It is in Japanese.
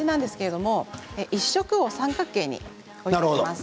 １色を三角形に置いていきます。